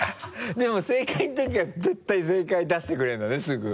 でも正解のときは絶対に正解出してくれるんだねすぐ。